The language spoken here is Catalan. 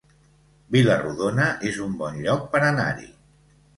Vila-rodona es un bon lloc per anar-hi